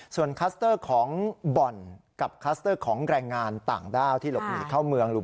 ส่วนคลัสเตอร์ของบ่อนกับคลัสเตอร์ของแรงงานต่างด้าวที่หลบหนีเข้าเมือง